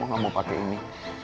mau gak mau pake ini